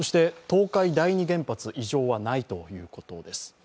東海第二原発、異常はないということです。